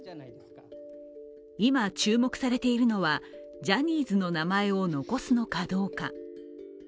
今、注目されているのはジャニーズの名前を残すのかどうか。